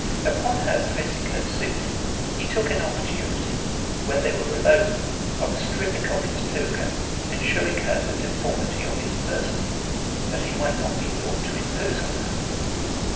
Upon her pressing her suit, he took an opportunity, when they were alone, of stripping off his toga, and showing her the deformity of his person, that he might not be thought to impose upon her.